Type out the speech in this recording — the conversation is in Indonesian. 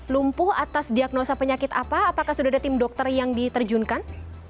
lumpuh atas diagnosa penyakit apa apakah sudah ada tim dokter yang diterjunkan